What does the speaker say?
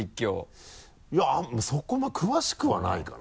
いやそこまで詳しくはないかな。